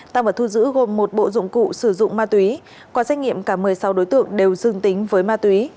tăng vật thu giữ gồm một bộ dụng cụ sử dụng ma túy qua xét nghiệm cả một mươi sáu đối tượng đều dương tính với ma túy